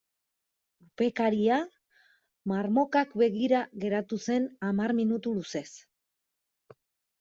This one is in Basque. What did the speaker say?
Urpekaria marmokak begira geratu zen hamar minutu luzez.